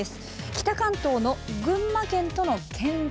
北関東の群馬県との県境